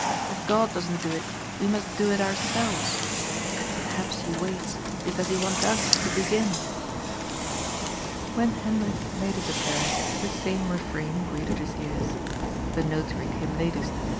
If Ood doesn't do it, we must do it our selves. Perhaps he waits, because he wants us to begin." When Hendrik made his appearance, the same refrain greeted his ears. The Notary came latest.